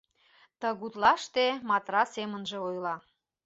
Тыгутлаште Матра семынже ойла.